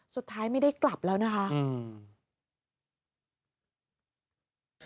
สุดท้ายไม่ได้กลับแล้วนะคะอืม